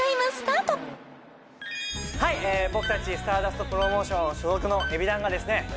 はい僕たちスターダストプロモーション所属のＥＢｉＤＡＮがですね